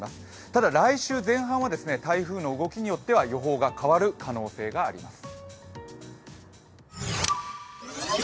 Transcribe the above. ただ来週前半は台風の動きによっては予報が変わる可能性があります。